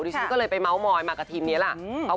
ฉันก็เลยไปเมาส์มอยมากับทีมนี้ล่ะ